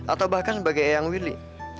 atau bahkan bagi eyang willy